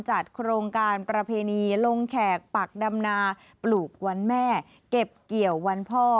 จัดโครงการประเพณีลงแขกปักดำนาปลูกวันแม่เก็บเกี่ยววันพ่อ